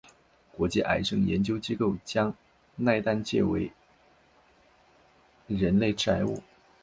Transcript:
国际癌症研究机构将萘氮芥列为人类致癌物。